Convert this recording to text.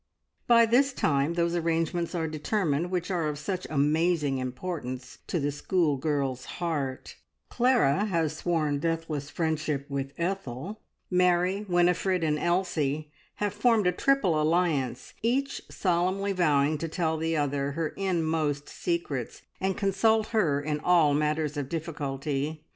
By this time those arrangements are determined which are of such amazing importance to the schoolgirl's heart Clara has sworn deathless friendship with Ethel; Mary, Winifred, and Elsie have formed a "triple alliance," each solemnly vowing to tell the other her inmost secrets, and consult her in all matters of difficulty.